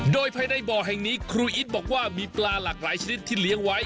โดยภายในบ่อแห่งนี้ครูอิตบอกว่ามีปลาหลากหลายชนิดที่เลี้ยงไว้